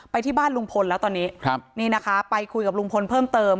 ไปที่บ้านลุงพลแล้วตอนนี้ครับนี่นะคะไปคุยกับลุงพลเพิ่มเติม